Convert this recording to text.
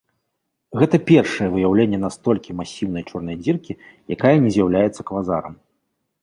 Гэта першае выяўленне настолькі масіўнай чорнай дзіркі, якая не з'яўляецца квазарам.